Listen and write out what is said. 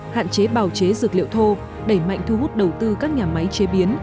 hạn chế bào chế dược liệu thô đẩy mạnh thu hút đầu tư các nhà máy chế biến